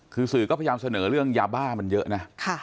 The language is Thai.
คือสื่อก็พยายามเสนอเรื่องยาบ้ามันเยอะนะ